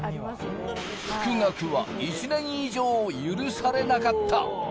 復学は１年以上、許されなかった。